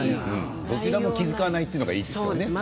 こちらも気が付かないというのがいいですね。